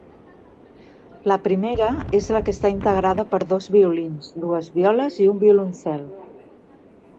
La primera és la que està integrada per dos violins, dues violes i un violoncel.